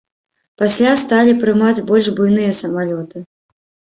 Пасля сталі прымаць больш буйныя самалёты.